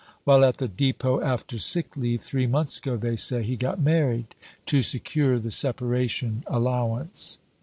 (While at the depot after sick leave, three months ago, they say, he got married to secure the separation allowance.)